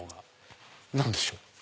何でしょう？